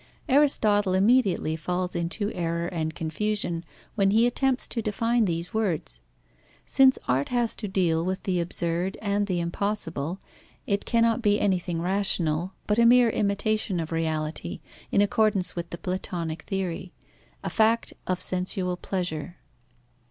Aristotle immediately falls into error and confusion, when he attempts to define these words. Since art has to deal with the absurd and with the impossible, it cannot be anything rational, but a mere imitation of reality, in accordance with the Platonic theory a fact of sensual pleasure.